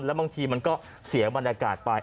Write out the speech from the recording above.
แล้วบางทีมันก็เสียบรรยากาศไป